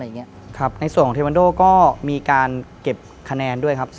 ในส่วนของเทวันโดก็มีการเก็บคะแนนด้วยครับ